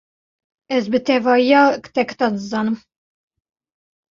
Ez bi tevahiya kitekitan dizanim.